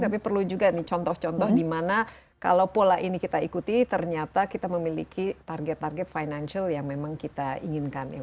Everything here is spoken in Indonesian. tapi perlu juga nih contoh contoh dimana kalau pola ini kita ikuti ternyata kita memiliki target target financial yang memang kita inginkan ya